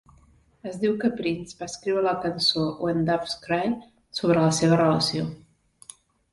Es diu que Prince va escriure la cançó "When Doves Cry" sobre la seva relació.